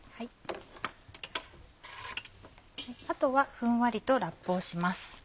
あとはふんわりとラップをします。